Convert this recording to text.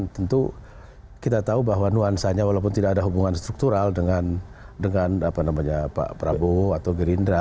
tentu kita tahu bahwa nuansanya walaupun tidak ada hubungan struktural dengan pak prabowo atau gerindra